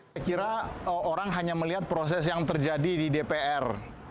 saya kira orang hanya melihat proses yang terjadi di dpr